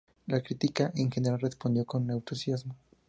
La crítica en general respondió con entusiasmo.